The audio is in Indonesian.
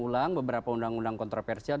ulang beberapa undang undang kontroversial